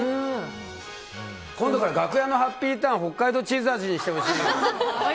今度から楽屋のハッピーターン北海道チーズ味にしてほしいよ。